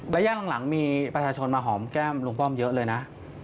ระยะหลังมีประชาชนมาหอมแก้มลุงป้อมเยอะเลยนะ